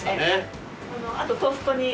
あとトーストに。